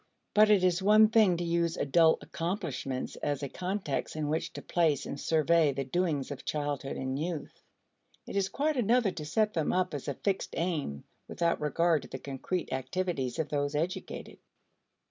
But it is one thing to use adult accomplishments as a context in which to place and survey the doings of childhood and youth; it is quite another to set them up as a fixed aim without regard to the concrete activities of those educated.